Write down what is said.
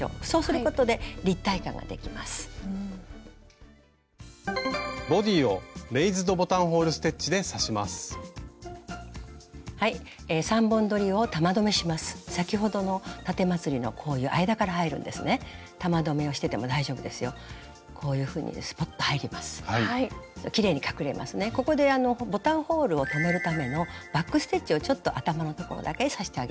ここでボタンホールを留めるためのバック・ステッチをちょっと頭のところだけ刺してあげましょう。